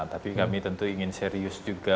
tapi kami tentu ingin serius juga